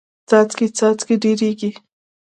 څاڅکې څاڅکې ډېریږي.